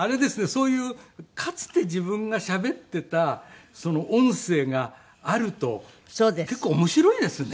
そういうかつて自分がしゃべっていた音声があると結構面白いですね。